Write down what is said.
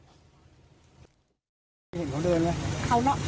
เห็นเขาเดินไหม